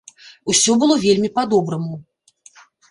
Усё было вельмі па-добраму.